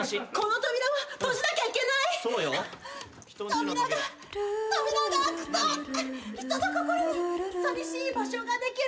扉が扉が開くと人の心にさみしい場所ができる。